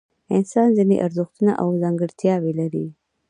انسان ځینې ارزښتونه او ځانګړتیاوې لري.